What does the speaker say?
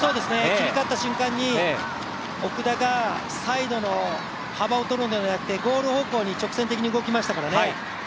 切り替わった瞬間に奥田がサイドの幅をとるんじゃなくてゴール方向に直線的に動きましたからね。